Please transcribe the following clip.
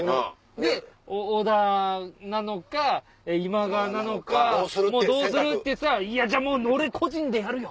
で織田なのか今川なのかもうどうするっていってたらいやじゃあもう俺個人でやるよ。